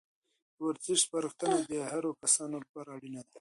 د ورزش سپارښتنه د هرو کسانو لپاره اړینه ده.